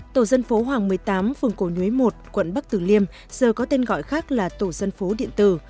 tổ dân phố hoàng một mươi tám phường cổ nhuế một quận bắc tử liêm giờ có tên gọi khác là tổ dân phố điện tử